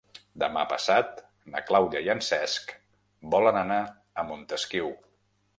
Demà passat na Clàudia i en Cesc volen anar a Montesquiu.